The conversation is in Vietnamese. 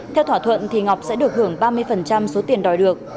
theo thỏa thuận thì ngọc sẽ được hưởng ba mươi số tiền đòi được